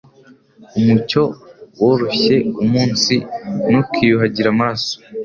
Umucyo woroshye wumunsi ntukiyuhagira amaso